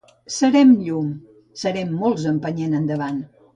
Serem llum, serem molts empenyent endavant.